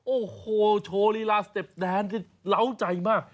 โอ้โหโชว์ลีลาสเต็ปแดนที่เล้าใจมาก